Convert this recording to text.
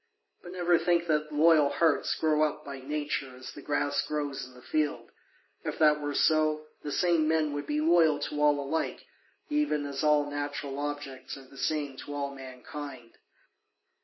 But never think that loyal hearts grow up by nature as the grass grows in the field: if that were so, the same men would be loyal to all alike, even as all natural objects are the same to all mankind.